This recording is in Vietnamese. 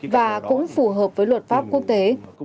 và cũng phù hợp với luật pháp quốc tế